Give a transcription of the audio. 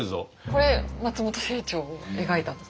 これ松本清張を描いたんですか？